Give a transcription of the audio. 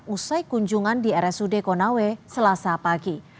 usai kunjungan di rsud konawe selasa pagi